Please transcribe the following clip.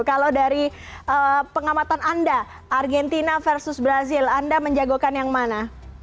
kalau dari pengamatan anda argentina versus brazil anda menjagokan yang mana